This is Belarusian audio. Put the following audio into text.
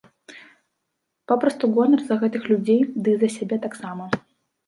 Папросту гонар за гэтых людзей, дый за сябе таксама.